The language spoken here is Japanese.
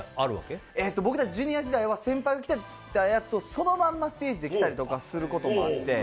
僕たち、Ｊｒ．時代は先輩が着たやつをそのままステージで着ることもあって。